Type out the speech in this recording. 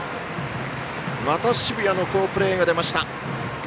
また澁谷の好プレーが出ました！